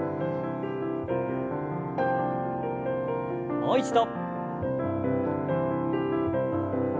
もう一度。